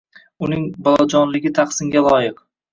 Uning bolajonligi tahsinga loyiq.